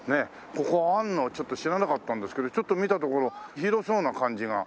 ここはあるのちょっと知らなかったんですけどちょっと見たところ広そうな感じが。